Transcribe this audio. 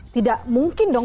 tidak mungkin dong